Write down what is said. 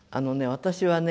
私はね